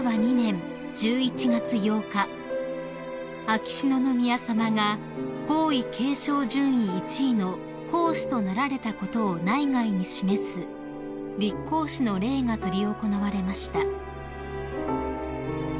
秋篠宮さまが皇位継承順位１位の皇嗣となられたことを内外に示す立皇嗣の礼が執り行われました］